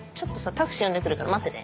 タクシー呼んでくるから待ってて。